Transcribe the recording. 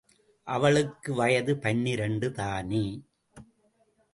அவளுக்கு வயது பனிரண்டு தானே?